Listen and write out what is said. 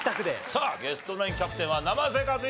さあゲストナインキャプテンは生瀬勝久さんです！